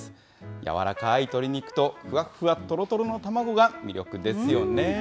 軟らかい鶏肉とふわふわとろとろの卵が魅力ですよね。